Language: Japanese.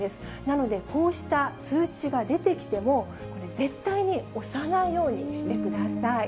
なのでこうした通知が出てきても、これ、絶対に押さないようにしてください。